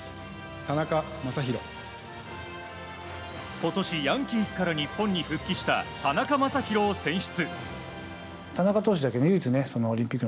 今年ヤンキースから日本に復帰した田中将大を選出。